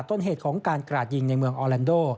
ต้นเหตุของการกราดยิงในเมืองออแลนโด